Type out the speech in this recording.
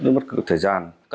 do thủ đức